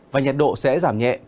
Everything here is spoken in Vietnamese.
và nhật độ sẽ giảm nhẹ